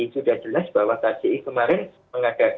sudah jelas bahwa kci kemarin kci kemarin kci kemarin itu berhasil ya sudah